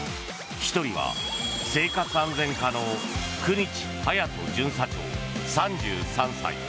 １人は生活安全課の九日勇人巡査長、３３歳。